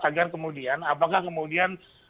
agar kemudian apakah kemudian